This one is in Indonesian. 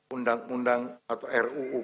undang undang atau ruu